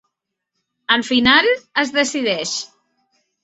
Al final es decideix.